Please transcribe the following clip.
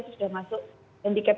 itu sudah masuk handicap